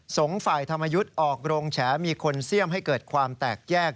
สงฆ์ฝ่ายธรรมยุทธ์ออกโรงแฉมีคนเสี่ยมให้เกิดความแตกแยก